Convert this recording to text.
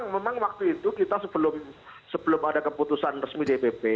memang waktu itu kita sebelum ada keputusan resmi dpp